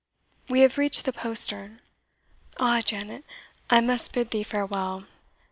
We have reached the postern. Ah! Janet, I must bid thee farewell!